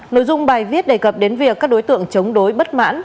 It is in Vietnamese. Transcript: nội dung bài viết đề cập đến việc các đối tượng chống đối bất mãn